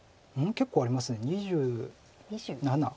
結構あります２７。